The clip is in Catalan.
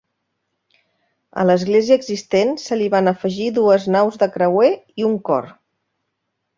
A l'església existent se li van afegir dues naus de creuer i un cor.